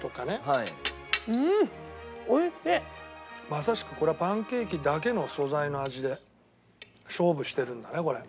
まさしくこれはパンケーキだけの素材の味で勝負してるんだねこれ。